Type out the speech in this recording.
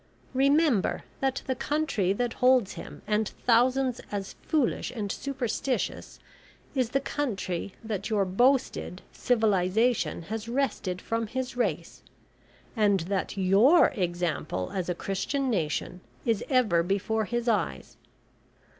Remember that the country that holds him and thousands as foolish and superstitious, is the country that your boasted, civilisation has wrested from his race, and that your example as a Christian nation is ever before his eyes.